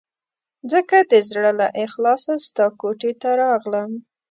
ځکه د زړه له اخلاصه ستا کوټې ته راغلم.